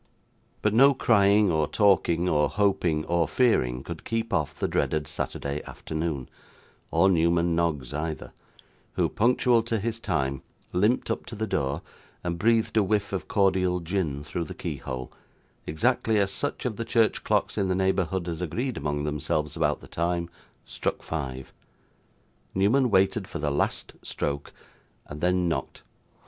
But no crying, or talking, or hoping, or fearing, could keep off the dreaded Saturday afternoon, or Newman Noggs either; who, punctual to his time, limped up to the door, and breathed a whiff of cordial gin through the keyhole, exactly as such of the church clocks in the neighbourhood as agreed among themselves about the time, struck five. Newman waited for the last stroke, and then knocked.